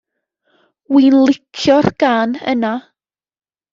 Wi'n lico'r gân yna.